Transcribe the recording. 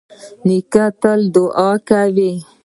نیکه تل دعا کوي.